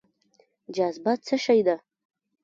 جاذبه څه شی دی؟